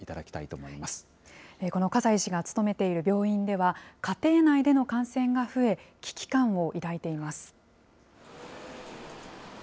この笠井医師が勤めている病院には、家庭内での感染が増え、危機感を抱いています。